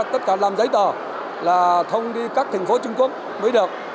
tất cả làm giấy tờ là thông đi các thành phố trung quốc mới được